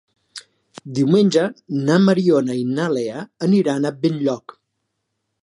Diumenge na Mariona i na Lea aniran a Benlloc.